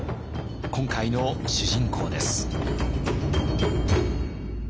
今回の主人公です。